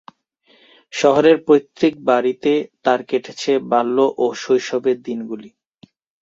শহরের পৈতৃক বাড়িতে তার কেটেছে বাল্য ও শৈশবের দিনগুলি।